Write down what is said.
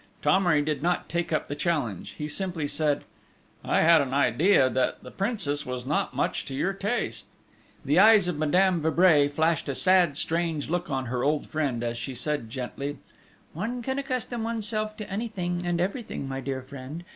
Thomery did not take up the challenge: he simply said: "I had an idea that the Princess was not much to your taste!" The eyes of Madame de Vibray flashed a sad, strange look on her old friend, as she said gently: "One can accustom oneself to anything and everything, my dear friend....